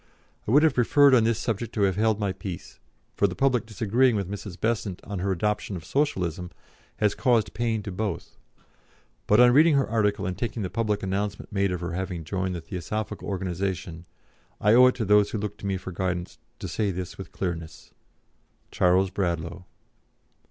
I would have preferred on this subject to have held my peace, for the public disagreeing with Mrs. Besant on her adoption of Socialism has caused pain to both; but on reading her article and taking the public announcement made of her having joined the Theosophical organisation, I owe it to those who look to me for guidance to say this with clearness. "CHARLES BRADLAUGH."